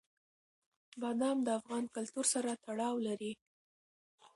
بادام د افغان کلتور سره تړاو لري.